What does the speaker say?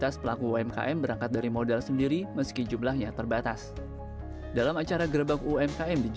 seperti pemerintah atau bumn